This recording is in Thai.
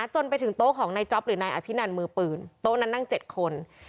จนไปถึงโต๊ะของนายจ๊อปหรือนายอภินันมือปืนโต๊ะนั้นนั่ง๗คน